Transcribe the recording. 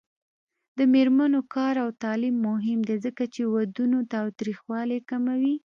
د میرمنو کار او تعلیم مهم دی ځکه چې ودونو تاوتریخوالي کموي.